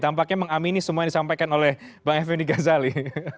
tampaknya mengamini semua yang disampaikan oleh bang f m d ghazali